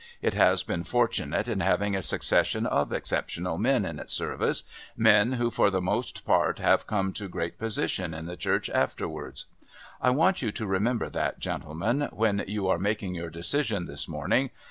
It has been fortunate in having a succession of exceptional men in its service men who, for the most part, have come to great position in the Church afterwards. I want you to remember that, gentlemen, when you are making your decision this morning.